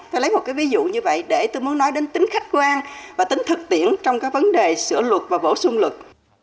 tôi lấy một ví dụ như vậy để tôi muốn nói đến tính khách quan và tính thực tiễn trong các vấn đề sửa lực và bổ sung lực